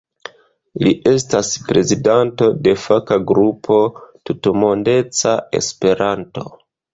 Li estas prezidanto de faka grupo "Tutmondeca Esperanto".